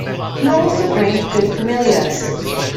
He also brings good familiars.